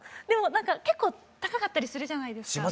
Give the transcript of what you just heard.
でもなんか結構高かったりするじゃないですか。